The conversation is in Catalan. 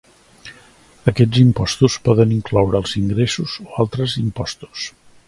Aquests impostos poden incloure els ingressos o altres impostos.